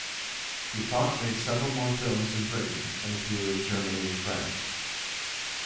Dupont made several more films in Britain and a few in Germany and France.